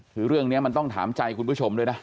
คือเรื่องนี้มันต้องถามใจคุณผู้ชมด้วยนะ